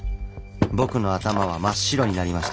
僕の頭は真っ白になりました。